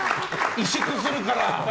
委縮するから！